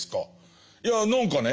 いや何かね